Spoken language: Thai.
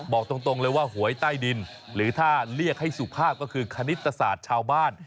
บอกตรงเลยว่าหวยใต้ดินหรือถ้าเรียกให้สุภาพก็คือคณิตศาสตร์ชาวบ้าน